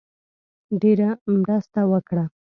ډېره مرسته وکړه.